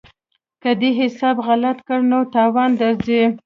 که دې حساب غلط کړ نو تاوان درځي.